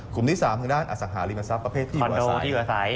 กลุ่มที่๓ถึงด้านอสหริมศัพท์ประเภทที่อยู่อาศัย